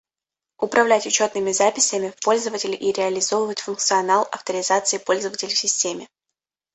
Управлять учетными записями пользователей и реализовывать функционал авторизации пользователей в системе